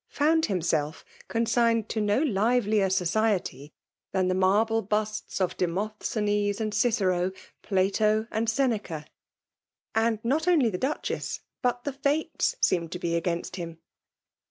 ) found himself con signed to no livelier society than die marble busts of Demosthenes and Oieero,— »Plaito and Seneca. And not oa^ the Duchess, but tihe fStites seoned to be against him.